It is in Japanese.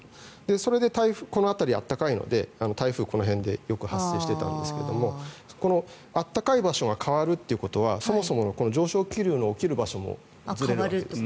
それでこの辺りが暖かいので台風はこの辺でよく発生していたんですがこの暖かい場所が変わるということはそもそも上昇気流の起きる場所もずれるということです。